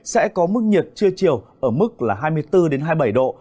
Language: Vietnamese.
sẽ có mức nhiệt trưa chiều ở mức là hai mươi bốn hai mươi bảy độ